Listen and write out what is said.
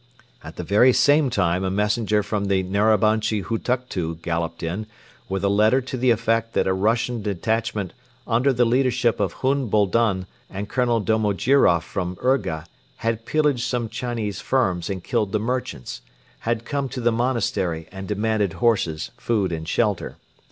At the very same time a messenger from the Narabanchi Hutuktu galloped in with a letter to the effect that a Russian detachment under the leadership of Hun Boldon and Colonel Domojiroff from Urga had pillaged some Chinese firms and killed the merchants, had come to the Monastery and demanded horses, food and shelter.